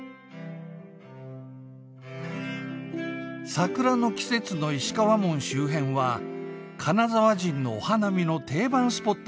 「桜の季節の石川門周辺は金沢人のお花見の定番スポットだ。